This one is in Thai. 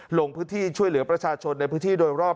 ลงพื้นที่ช่วยเหลือประชาชนในพื้นที่โดยรอบ